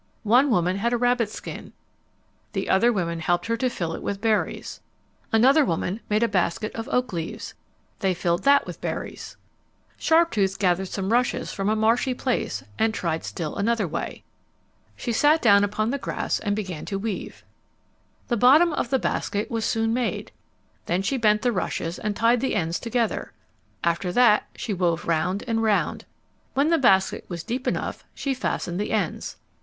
One woman had a rabbit skin. The other women helped her fill it with berries. Another woman made a basket of oak leaves. They filled that with berries. [Illustration: "She bent the rushes and tied the ends together"] Sharptooth gathered some rushes from a marshy place and tried still another way. She sat down upon the grass and began to weave. The bottom of the basket was soon made. Then she bent the rushes and tied the ends together. After that she wove round and round. When the basket was deep enough she fastened the ends.